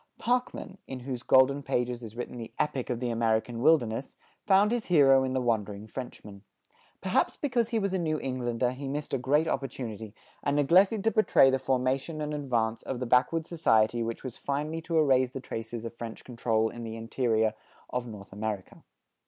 Parkman, in whose golden pages is written the epic of the American wilderness, found his hero in the wandering Frenchman. Perhaps because he was a New Englander he missed a great opportunity and neglected to portray the formation and advance of the backwood society which was finally to erase the traces of French control in the interior of North America.